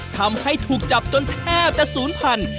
ทำให้ถูกจับจนแทบจะศูนย์พันธุ